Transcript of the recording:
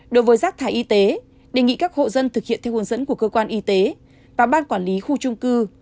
đối với rác thải y tế đề nghị các hộ dân thực hiện theo hướng dẫn của cơ quan y tế và ban quản lý khu trung cư